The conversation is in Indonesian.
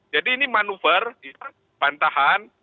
jadi ini manuver bantahan